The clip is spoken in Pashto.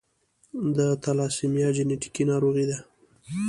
د تالاسیمیا جینیټیکي ناروغي ده.